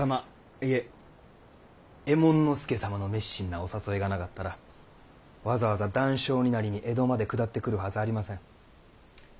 いえ右衛門佐様の熱心なお誘いがなかったらわざわざ男妾になりに江戸まで下ってくるはずありません。